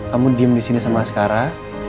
kamu diem disini sama asqara